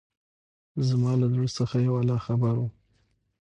زما له زړه څخه يو الله خبر وو.